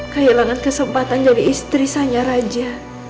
kehilangan kesempatan jadi istri saya raja